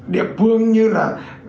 địa phương như là